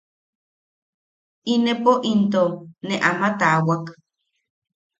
Inepo into ne ama taawak.